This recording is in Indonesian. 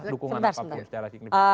dukungan apapun secara signifikan